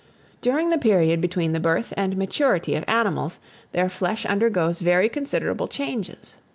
DURING THE PERIOD BETWEEN THE BIRTH AND MATURITY OF ANIMALS, their flesh undergoes very considerable changes.